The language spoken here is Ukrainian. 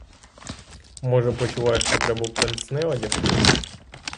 Може, почуваєш потребу пенсне одягти?